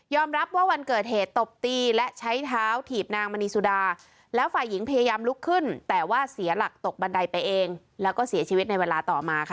รับว่าวันเกิดเหตุตบตีและใช้เท้าถีบนางมณีสุดาแล้วฝ่ายหญิงพยายามลุกขึ้นแต่ว่าเสียหลักตกบันไดไปเองแล้วก็เสียชีวิตในเวลาต่อมาค่ะ